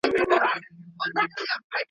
خپل تېر تاريخ هيڅکله مه هېروئ.